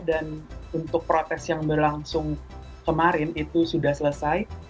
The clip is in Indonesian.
dan untuk protes yang berlangsung kemarin itu sudah selesai